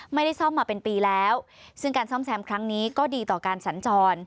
ไม่ได้ซ่อมมาเป็นปีแล้วซึ่งการซ่อมแซมครั้งนี้ก็ดีต่อการสัญจร